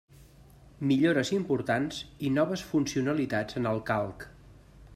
Millores importants i noves funcionalitats en el Calc.